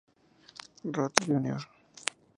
Rote Jr.